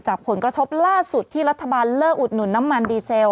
ผลกระทบล่าสุดที่รัฐบาลเลิกอุดหนุนน้ำมันดีเซล